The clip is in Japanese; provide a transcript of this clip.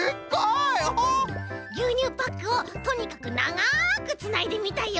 ぎゅうにゅうパックをとにかくながくつないでみたよ。